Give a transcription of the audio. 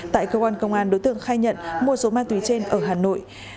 tại cơ quan công an đối tượng khai nhận mua số ma túy trên ở hà nội